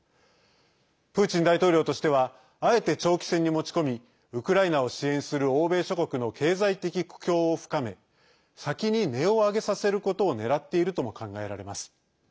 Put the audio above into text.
プーチン大統領としてはあえて長期戦に持ち込みウクライナを支援する欧米諸国の経済的苦境を深め先に根をあげさせることを狙っているとも考えられます。